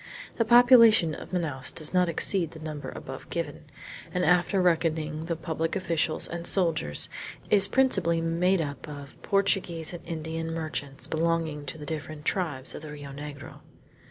The population of Manaos does not exceed the number above given, and after reckoning the public officials and soldiers, is principally made of up Portuguese and Indian merchants belonging to the different tribes of the Rio Negro.